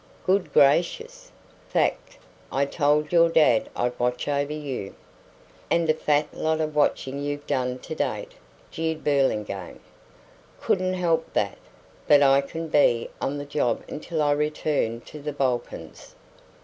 "Good gracious!" "Fact. I told your dad I'd watch over you." "And a fat lot of watching you've done to date," jeered Burlingame. "Couldn't help that. But I can be on the job until I return to the Balkans."